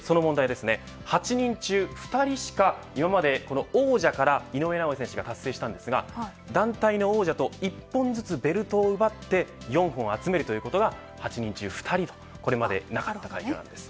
８人中２人しか、今まで王者から井上尚弥選手が達成したんですが団体の王者と１本ずつベルトを奪って４本を集めるということが８人中２人とこれまでなかったということなんです。